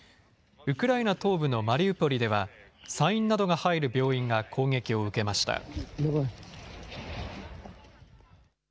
ウクライナ東部のマリウポリでは産院などが入る病院が攻撃を受けました。